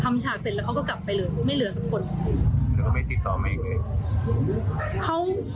ทำฉากเสร็จแล้วเขาก็กลับไปเลยไม่เหลือสักคน